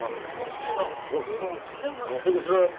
稽古しろよ。